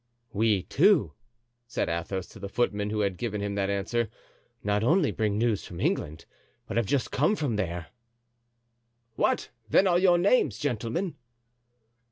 "We, too," said Athos, to the footman who had given him that answer, "not only bring news from England, but have just come from there." "What? then, are your names, gentlemen?"